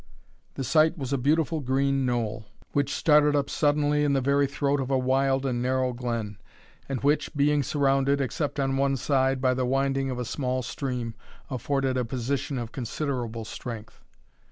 The site was a beautiful green knoll, which started up suddenly in the very throat of a wild and narrow glen, and which, being surrounded, except on one side, by the winding of a small stream, afforded a position of considerable strength.